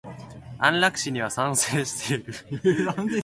安楽死には賛成している。